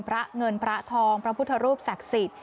พระเงินพระทองพระพุทธรูปศักดิ์สิทธิ์